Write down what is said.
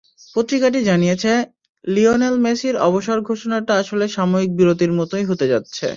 পত্রিকাটি জানিয়েছে, লিওনেল মেসির অবসর ঘোষণাটা আসলে সাময়িক বিরতির মতোই হতে যাচ্ছে।